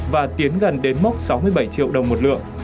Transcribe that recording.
và tiến gần đến mốc sáu mươi bảy triệu đồng một lượng